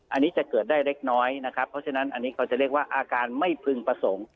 อันนี้จะเกิดได้เล็กน้อยนะครับเพราะฉะนั้นอันนี้เขาจะเรียกว่าอาการไม่พึงประสงค์